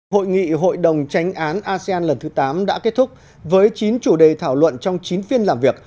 hội nghị hội đồng tránh án asean lần thứ tám đã kết thúc với chín chủ đề thảo luận trong chín phiên làm việc